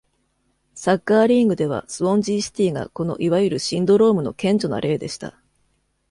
サッカーリーグでは、スウォンジーシティがこのいわゆるシンドロームの顕著な例でした。